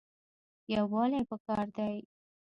یووالی پکار دی